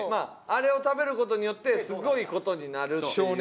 あれを食べる事によってすごい事になるっていう。